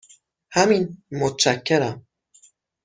همین، متشکرم.